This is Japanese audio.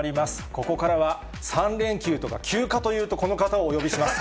ここからは３連休とか、休暇というと、この方をお呼びします。